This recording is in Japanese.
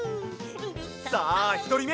さあひとりめ！